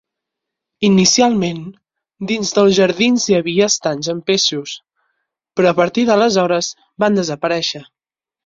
Inicialment, dins dels jardins hi havia estanys amb peixos, però a partir d'aleshores van desaparèixer.